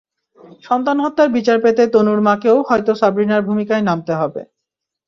সন্তান হত্যার বিচার পেতে তনুর মাকেও হয়তো সাব্রিনার ভূমিকায় নামতে হবে।